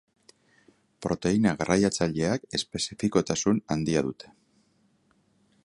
Proteina garraiatzaileak espezifikotasun handia dute.